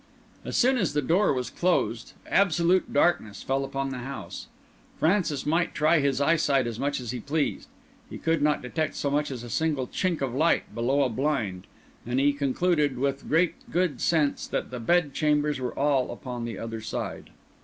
As soon as the door was closed, absolute darkness fell upon the house; Francis might try his eyesight as much as he pleased, he could not detect so much as a single chink of light below a blind; and he concluded, with great good sense, that the bed chambers were all upon the other side.